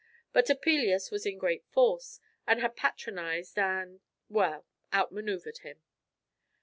But Topelius was in great force, and had patronised and well out manoeuvred him.